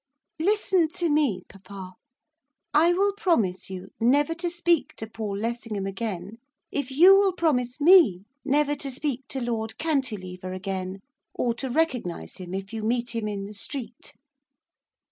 'Listen to me, papa. I will promise you never to speak to Paul Lessingham again, if you will promise me never to speak to Lord Cantilever again, or to recognise him if you meet him in the street.